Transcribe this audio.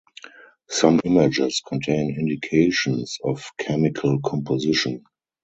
Some images contain indications of chemical composition.